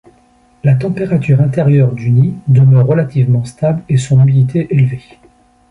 La température intérieure du nid demeure relativement stable et son humidité élevée.